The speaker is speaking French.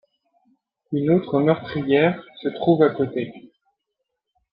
Une autre meurtrière se trouve à côté.